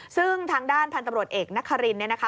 ซึ่งทางด้านพันธุ์ตำรวจเอกนครินเนี่ยนะคะ